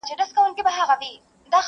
• دا نامرده چي په ځان داسي غره دی..